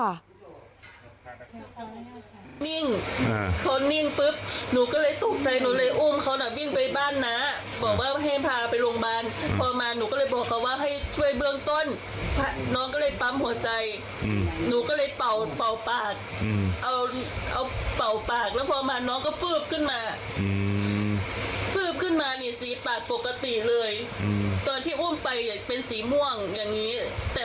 แต่พอไปบ้านนั้นเขาฟื้นขึ้นมาคือสีปากเขาปกติเป็นแบบสีแดงเลย